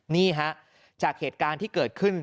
นี่ฮะจากเหตุการณ์ที่เกิดขึ้น